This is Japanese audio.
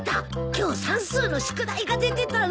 今日算数の宿題が出てたんだ。